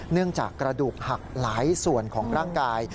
เนื่องจากกระดูกหักหลายส่วนของร่างกาย